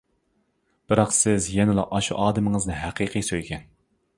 بىراق سىز يەنىلا ئاشۇ ئادىمىڭىزنى ھەقىقىي سۆيگەن.